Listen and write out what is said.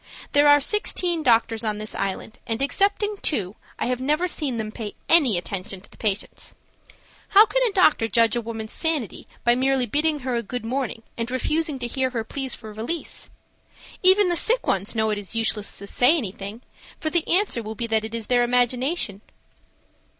"There are sixteen doctors on this island, and excepting two, I have never seen them pay any attention to the patients. How can a doctor judge a woman's sanity by merely bidding her good morning and refusing to hear her pleas for release? Even the sick ones know it is useless to say anything, for the answer will be that it is their imagination."